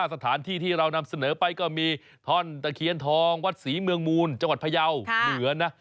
สถานที่ที่เรานำเสนอไปก็มีท่อนตะเคียนทองวัดศรีเมืองมูลจังหวัดพยาวเหนือนะ